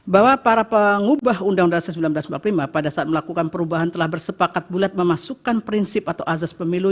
bahwa para pengubah undang undang seribu sembilan ratus empat puluh lima pada saat melakukan perubahan telah bersepakat bulat memasukkan prinsip atau azas pemilu